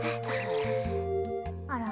あら？